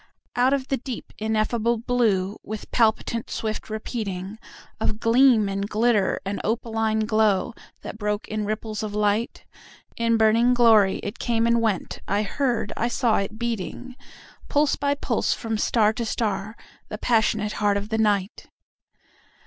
Out of the deep ineffable blue, with palpitant swift repeatingOf gleam and glitter and opaline glow, that broke in ripples of light—In burning glory it came and went,—I heard, I saw it beating, Pulse by pulse, from star to star,—the passionate heart of the Night!